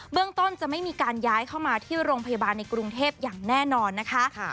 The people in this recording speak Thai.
เรื่องต้นจะไม่มีการย้ายเข้ามาที่โรงพยาบาลในกรุงเทพอย่างแน่นอนนะคะ